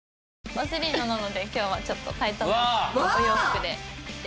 おしりーのなので今日はちょっとタイトめなお洋服で来て。